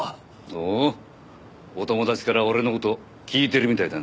おおお友達から俺の事聞いてるみたいだな。